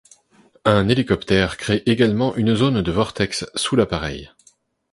Un hélicoptère crée également une zone de vortex sous l'appareil.